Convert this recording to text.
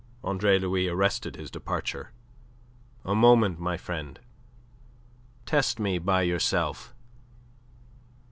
Andre Louis arrested his departure. "A moment, my friend. Test me by yourself.